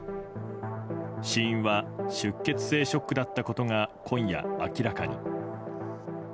死因は出血性ショックだったことが今夜、明らかに。